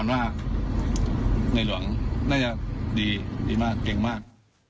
น่าจะดีดีมากเก่งมาก